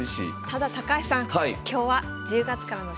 ただ高橋さん